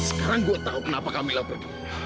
sekarang gua tau kenapa camilla pergi